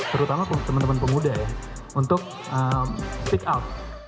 terutama teman teman pemuda ya untuk speak up